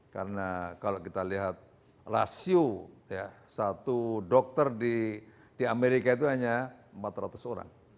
karena kalau kita lihat rasio satu dokter di amerika itu hanya empat ratus orang